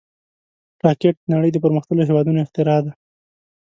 راکټ د نړۍ د پرمختللو هېوادونو اختراع ده